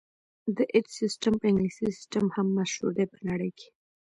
د ایچ سیسټم په انګلیسي سیسټم هم مشهور دی په نړۍ کې.